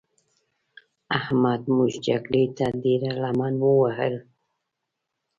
احمد موږ جګړې ته ډېره لمن ووهل.